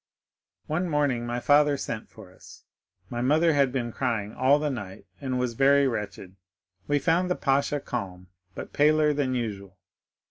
"One morning my father sent for us; my mother had been crying all the night, and was very wretched; we found the pasha calm, but paler than usual.